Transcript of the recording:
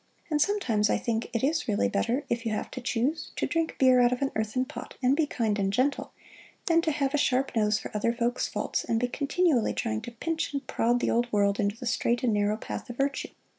And sometimes I think it is really better, if you have to choose, to drink beer out of an earthen pot and be kind and gentle, than to have a sharp nose for other folks' faults and be continually trying to pinch and prod the old world into the straight and narrow path of virtue.